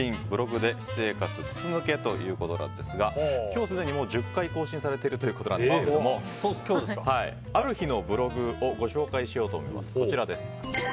ブログで私生活筒抜け？ということですが今日すでに１０回更新されているということですがある日のブログをご紹介しようと思います。